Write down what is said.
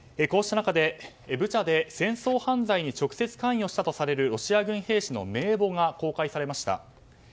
こうした中でブチャで戦争犯罪に直接関与したとされるロシア軍兵士の名簿が公開されました。